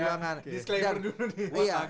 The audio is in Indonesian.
oh bukan partai ya